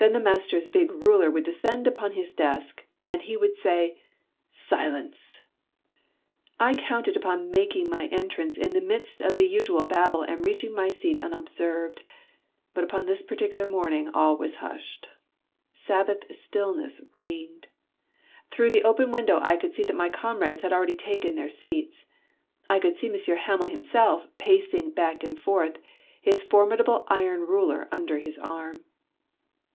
Then the master's big ruler would descend upon his desk, and he would say, —'' Silence !" I counted upon making my entrance in the midst of the usual babel and reaching my seat unob served, but upon this particular morning all was hushed. Sabbath stillness reigned. Through the open window I could see that my comrades had already taken their seats; I could see Monsieur Hamel himself, passing back and forth, his for midable iron ruler under his arm.